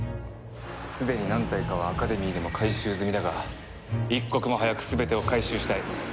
すでに何体かはアカデミーでも回収済みだが一刻も早く全てを回収したい。